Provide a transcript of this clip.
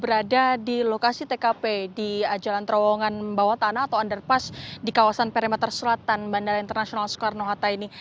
berada di lokasi tkp di jalan terowongan bawah tanah atau underpass di kawasan perimeter selatan bandara internasional soekarno hatta ini